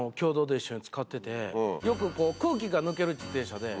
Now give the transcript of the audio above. よく空気が抜ける自転車で。